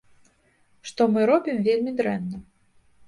Што мы робім вельмі дрэнна.